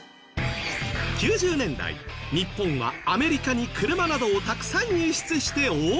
９０年代日本はアメリカに車などをたくさん輸出して大儲け。